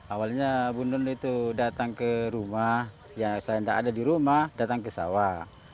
awalnya bu nun itu datang ke rumah ya saya tidak ada di rumah datang ke sawah